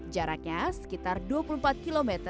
jaraknya sekitar dua puluh empat km